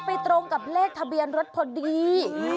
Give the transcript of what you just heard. ตรงกับเลขทะเบียนรถพอดี